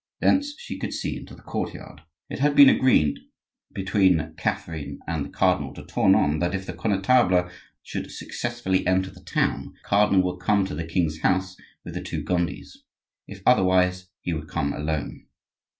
Thence she could see into the courtyard. It had been agreed between Catherine and the Cardinal de Tournon that if the Connetable should successfully enter the town the cardinal would come to the king's house with the two Gondis; if otherwise, he would come alone.